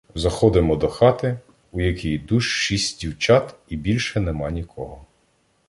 Заходимо до хати, у якій душ шість дівчат і більше нема нікого.